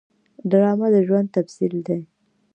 ډرامه د ژوند تمثیل دی